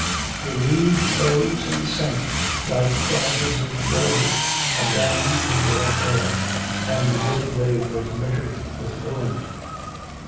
The leaves rose and sank like cries of woe adown the raw air, and the roadway was littered with ruin.